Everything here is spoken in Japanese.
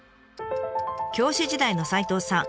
教師時代の齋藤さん